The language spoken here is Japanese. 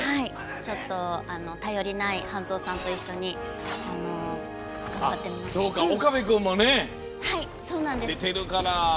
ちょっと頼りない半蔵さんと一緒に岡部君も、出てるから。